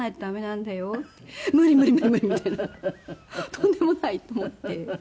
とんでもないと思って。